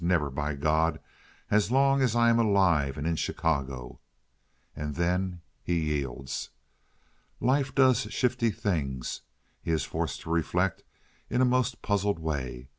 "Never, by God—as long as I am alive and in Chicago!" And then he yields. Life does shifty things, he is forced to reflect in a most puzzled way.